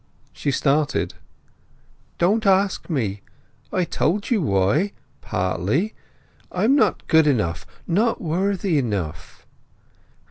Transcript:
She started. "Don't ask me. I told you why—partly. I am not good enough—not worthy enough."